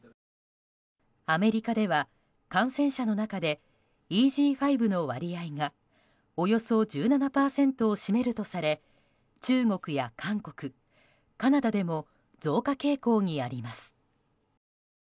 アメリカでは感染者の中でＥＧ．５の割合がおよそ１７％を占めるとされ中国や韓国、カナダでも増加傾向にあります。